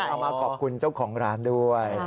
เอามาขอบคุณเจ้าของร้านด้วย